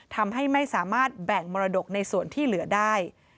ทำให้ไม่สามารถแบ่งมรดกในส่วนที่เหลือได้